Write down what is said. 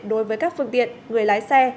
đối với các phương tiện người lái xe